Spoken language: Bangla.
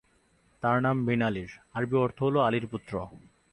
তার নাম, বিনালি-র আরবি অর্থ হল আলীর পুত্র।